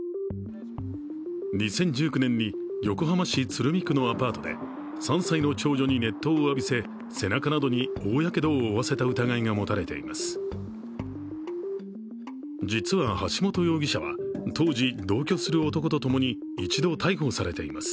２０１９年に横浜市鶴見区のアパートで３歳の長女に熱湯を浴びせ背中などに大やけどを負わせた疑いが持たれています。